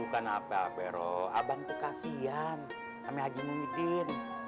bukan apa apa rok abang tuh kasihan sama haji muhyiddin